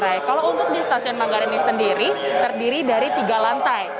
pertama kondisi pagi hari ini merupakan stasiun manggare ini sendiri terdiri dari tiga lantai